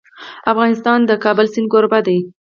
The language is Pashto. افغانستان د د کابل سیند کوربه دی.